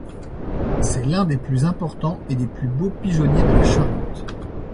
C'est l'un des plus importants et des plus beaux pigeonniers de la Charente.